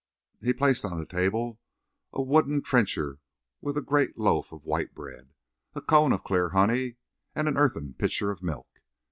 He placed on the table a wooden trencher with a great loaf of white bread, a cone of clear honey, and an earthen pitcher of milk.